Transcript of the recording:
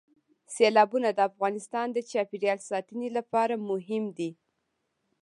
سیلابونه د افغانستان د چاپیریال ساتنې لپاره مهم دي.